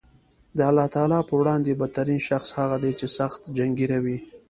د الله تعالی په وړاندې بد ترین شخص هغه دی چې سخت جنګېره وي